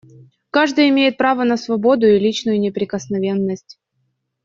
Каждый имеет право на свободу и личную неприкосновенность.